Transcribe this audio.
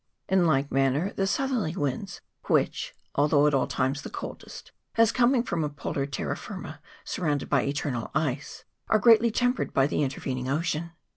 In like manner the southerly winds, which, although at all times the coldest, as coming from a polar terra firma surrounded by eternal ice, are greatly tem pered by the intervening ocean.